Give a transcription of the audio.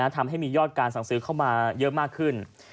ทำให้มียอดการสั่งซื้อเข้ามาเยอะมากขึ้น